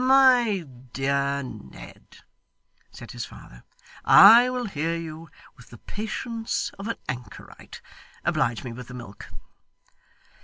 'My dear Ned,' said his father, 'I will hear you with the patience of an anchorite. Oblige me with the milk.